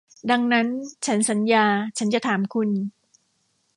ดังนั้นฉันสัญญาฉันจะถามคุณ